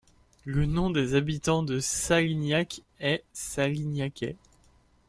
Le nom des habitants de Salignac est Salignacais.